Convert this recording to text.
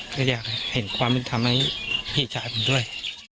ก็อยากเห็นความเป็นธรรมให้พี่ชายผมด้วย